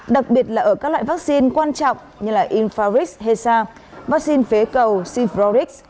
đặc biệt là ở các loại vaccine quan trọng như infrarix hesa vaccine phế cầu sivrorix